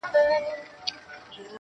زړه په پیوند دی,